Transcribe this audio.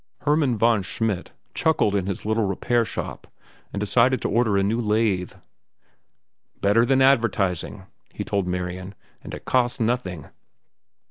Hermann von Schmidt chuckled in his little repair shop and decided to order a new lathe. "Better than advertising," he told Marian, "and it costs nothing."